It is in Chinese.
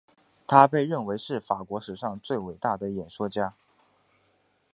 他被认为是法国史上最伟大的演说家。